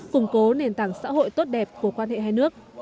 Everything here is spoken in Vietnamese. củng cố nền tảng xã hội tốt đẹp của quan hệ hai nước